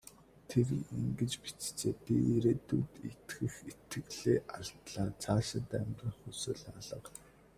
Тэр ингэж бичжээ: "Би ирээдүйд итгэх итгэлээ алдлаа. Цаашид амьдрах хүсэл алга".